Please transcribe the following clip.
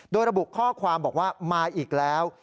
โดยระบุข้อความบอกว่ามาอีกแล้ว